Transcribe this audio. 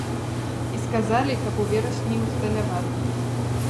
І сказалі, каб у верасні ўсталявалі.